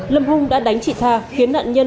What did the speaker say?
lâm hung đã đánh chị tha khiến nạn nhân